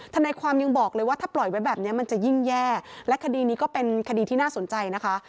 ทนายความยังบอกเลยว่าถ้าปล่อยไว้แบบนี้มันจะยิ่งแย่และคดีนี้ก็เป็นคดีที่น่าสนใจนะคะ